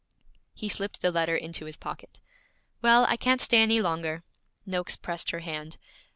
He slipped the letter into his pocket. 'Well, I can't stay any longer.' Noakes pressed her hand.